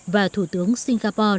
và thủ tướng singapore